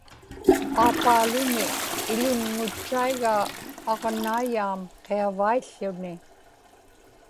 aapaaluni iḷunŋutchaigaa aġnaiyaam qiavaiḷḷuni